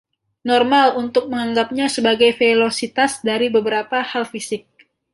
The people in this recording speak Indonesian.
Normal untuk menganggapnya sebagai velositas dari beberapa hal fisik.